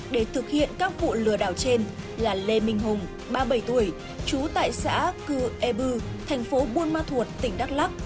để thực hiện các vụ lừa đảo trên là lê minh hùng ba mươi bảy tuổi trú tại xã cư e bưu thành phố buôn ma thuột tỉnh đắk lắc